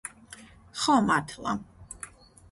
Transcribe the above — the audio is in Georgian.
ხო მართლა